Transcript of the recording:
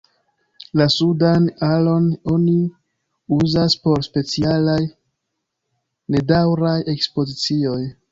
La sudan alon oni uzas por specialaj, nedaŭraj ekspozicioj.